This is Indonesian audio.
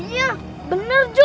iya bener jho